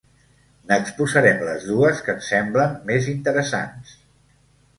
N'exposarem les dues que ens semblen més interessants.